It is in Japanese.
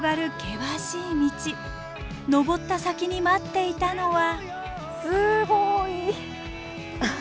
登った先に待っていたのは。